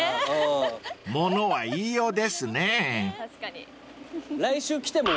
［物は言いようですね］